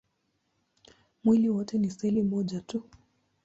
Mwili wote ni seli moja tu.